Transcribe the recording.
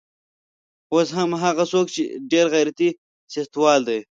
اوس هم هغه څوک ډېر غیرتي سیاستوال دی.